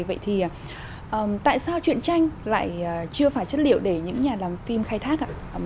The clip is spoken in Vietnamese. vậy thì tại sao chuyện tranh lại chưa phải chất liệu để những nhà làm phim khai thác ạ